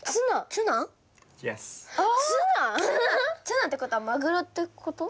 ツナってことはマグロってこと？